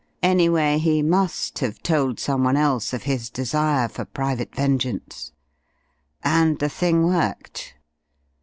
Anyway, he must have told someone else of his desire for private vengeance. And the thing worked.